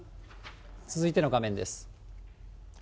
続いての画面です。